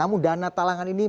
namun dana talangan ini